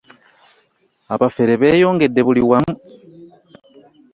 abafeere bbeyongedde buli wamu